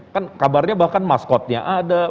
kan kabarnya bahkan maskotnya